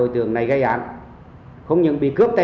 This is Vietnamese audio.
tổng trị giá là hai cây